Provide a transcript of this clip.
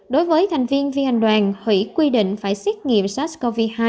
đối với thành viên viên hành đoàn hủy quy định phải xét nghiệm sars cov hai